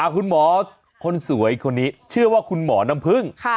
คุณหมอคนสวยคนนี้ชื่อว่าคุณหมอน้ำพึ่ง